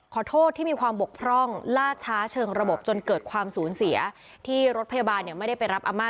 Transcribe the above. ขอโทษที่มีความบกพร่องล่าช้าเชิงระบบจนเกิดความสูญเสียที่รถพยาบาลเนี่ยไม่ได้ไปรับอาม่า